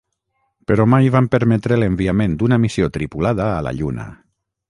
Però mai van permetre l'enviament d'una missió tripulada a la Lluna.